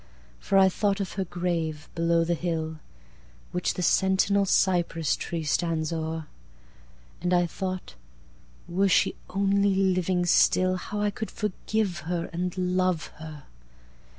For I thought of her grave below the hill, Which the sentinel cypress tree stands over; And I thought … "were she only living still, How I could forgive her, and love her!"